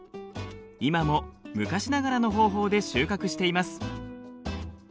今も昔ながらの方法で収穫しています。